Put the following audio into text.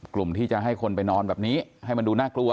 กลุ่มที่จะให้คนไปนอนแบบนี้ให้มันดูน่ากลัว